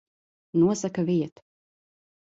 Nosaka vietu.